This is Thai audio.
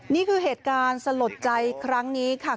นี่คือเหตุการณ์สลดใจครั้งนี้ค่ะ